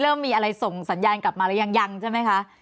เริ่มมีอะไรส่งสัญญาณกลับมาหรือยังยังใช่ไหมคะ